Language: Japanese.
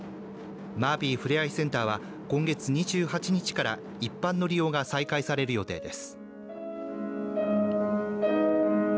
マービーふれあいセンターは今月２８日から一般の利用が再開される予定です。